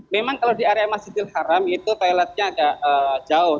memang kalau di area masjidil haram itu toiletnya agak jauh